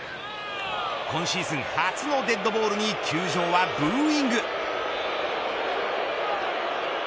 今シーズン初のデッドボールに球場はブーイング。